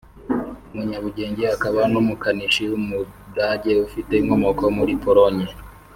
umunyabugenge akaba n’umukanishi w’umudage ufite inkomoko muri Pologne